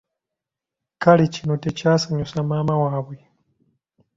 Kale kino tekyasanyusa maama waabwe.